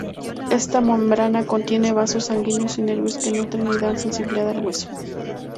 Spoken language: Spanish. Esta membrana contiene vasos sanguíneos y nervios que nutren y dan sensibilidad al hueso.